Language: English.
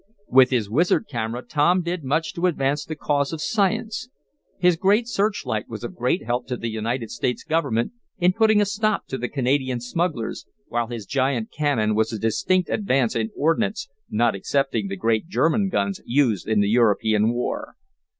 With his wizard camera Tom did much to advance the cause of science. His great searchlight was of great help to the United States government in putting a stop to the Canadian smugglers, while his giant cannon was a distinct advance in ordnance, not excepting the great German guns used in the European war.